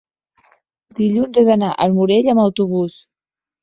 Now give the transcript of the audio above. dilluns he d'anar al Morell amb autobús.